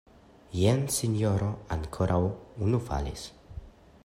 Jen sinjoro, ankoraŭ unu falis!